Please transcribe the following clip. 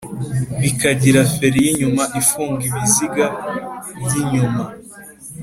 bikagira feri y’inyuma ifunga ibiziga by’inyuma